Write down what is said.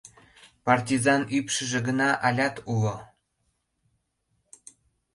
Партизан ӱпшыжӧ гына алят уло...